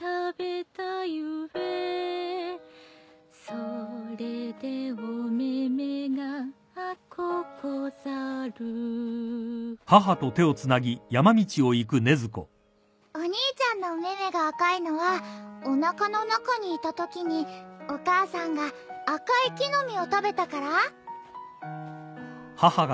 「それでお目々が赤うござる」お兄ちゃんのお目々が赤いのはおなかの中にいたときにお母さんが赤い木の実を食べたから？